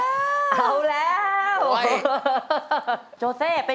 ถูกเขาทำร้ายเพราะใจเธอแบกรับมันเอง